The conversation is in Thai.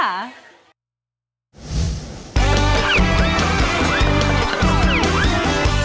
เย้